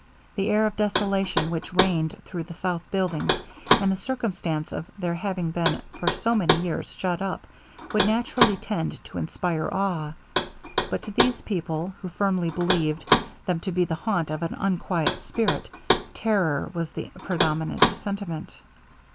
The air of desolation which reigned through the south buildings, and the circumstance of their having been for so many years shut up, would naturally tend to inspire awe; but to these people, who firmly believed them to be the haunt of an unquiet spirit, terror was the predominant sentiment.